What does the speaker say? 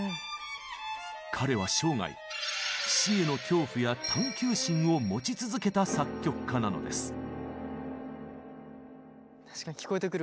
彼は生涯「死」への恐怖や探求心を持ち続けた作曲家なのです。